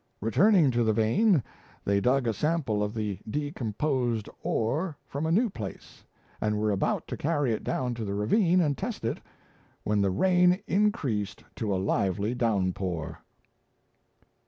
"Returning to the vein, they dug a sample of the decomposed ore from a new place, and were about to carry it down to the ravine and test it, when the rain increased to a lively downpour."